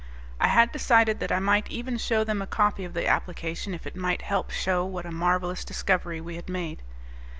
I had decided that I might even show them a copy of the application if it might help show what a marvelous discovery we had made.